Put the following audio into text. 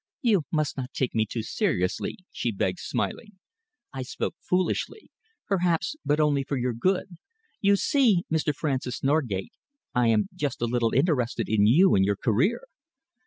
"You must not take me too seriously," she begged, smiling. "I spoke foolishly, perhaps, but only for your good. You see, Mr. Francis Norgate, I am just a little interested in you and your career."